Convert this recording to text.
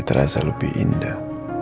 terasa lebih indah